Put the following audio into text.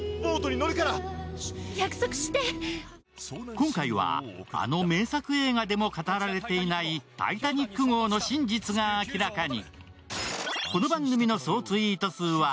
今回は、あの名作映画でも語られていない「タイタニック」号の真実が明らかに。